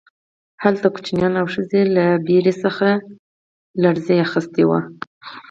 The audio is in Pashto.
هلته ماشومان او ښځې له ډاره لړزې اخیستي وو